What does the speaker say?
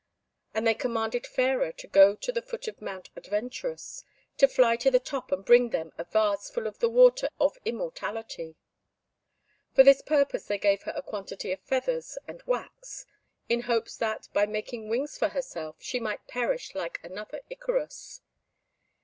And they commanded Fairer to go to the foot of Mount Adventurous, to fly to the top, and bring them a vase full of the water of immortality. For this purpose they gave her a quantity of feathers and wax, in hopes that, by making wings for herself, she might perish like another Icarus.